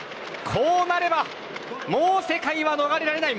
こうなれば世界はもう逃れられない。